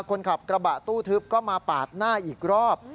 คนขับกระบะตู้ทึบก็มาปาดหน้าอีกรอบ